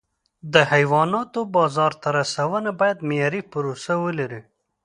د حیواناتو بازار ته رسونه باید معیاري پروسه ولري.